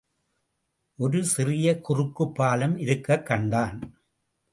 ஒரு சிறிய குறுக்குப் பாலம் இருக்கக் கண்டான்.